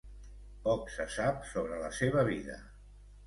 Poc se sap sobre la seva vida.